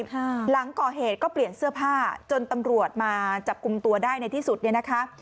หลังก่อเหตุก็เปลี่ยนเสื้อผ้าจนตำรวจมาจับกลุ่มตัวได้ในที่สุดเนี่ยนะคะ